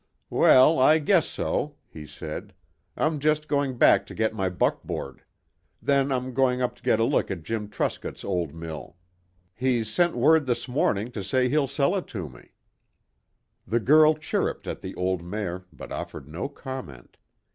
"Well, I guess so," he said. "I'm just going back to get my buckboard. Then I'm going up to get a look at Jim Truscott's old mill. He's sent word this morning to say he'll sell it me." The girl chirruped at the old mare, but offered no comment.